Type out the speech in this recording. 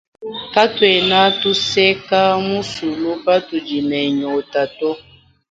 Katuena tuseka muzulu patudi ne nyotato.